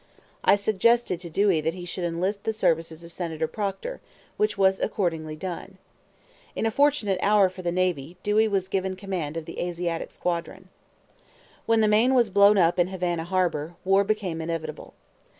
I suggested to Dewey that he should enlist the services of Senator Proctor, which was accordingly done. In a fortunate hour for the Nation, Dewey was given command of the Asiatic squadron. When the Maine was blown up in Havana Harbor, war became inevitable.